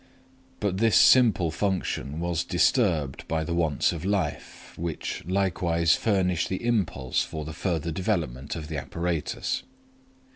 But this simple function was disturbed by the wants of life, which likewise furnish the impulse for the further development of the apparatus.